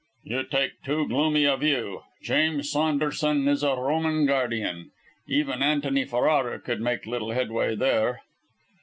"You take too gloomy a view. James Saunderson is a Roman guardian. Even Antony Ferrara could make little headway there."